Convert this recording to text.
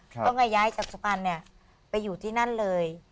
ต้องก็ย้ายจับสภัณฑ์ไปอยู่ที่นั่นเลย